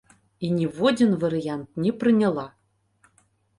І ніводзін варыянт не прыняла.